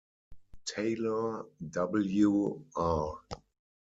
Taylor, W. R.